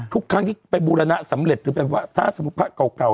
ทุกครั้งที่ไปบูรณะสำเร็จหรือแบบว่าถ้าสมมุติพระเก่า